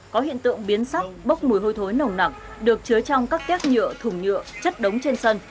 có hiện tượng biến sắc bốc mùi hôi thối nồng nặc được chứa trong các tét nhựa thùng nhựa chất đống trên sân